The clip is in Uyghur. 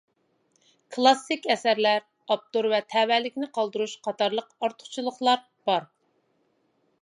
كىلاسسىك ئەسەرلەر، ئاپتور ۋە تەۋەلىكىنى قالدۇرۇش. قاتارلىق ئارتۇقچىلىقلار بار.